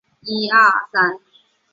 焉有大智论天下事！